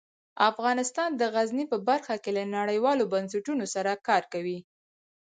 افغانستان د غزني په برخه کې له نړیوالو بنسټونو سره کار کوي.